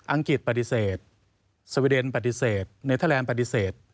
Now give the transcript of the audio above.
องกฤษปฏิเสธสวีเดนปฏิเสธเนเทอร์แลนด์ปฏิเสธ